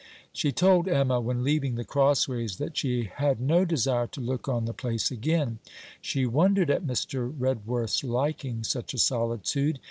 She told Emma, when leaving The Crossways, that she had no desire to look on the place again: she wondered at Mr. Redworth's liking such a solitude.